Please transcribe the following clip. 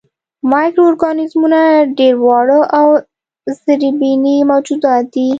مایکرو ارګانیزمونه ډېر واړه او زرېبيني موجودات دي.